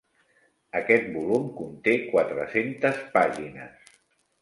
Aquest volum conté quatre-centes pàgines.